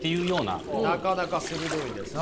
なかなか鋭いです。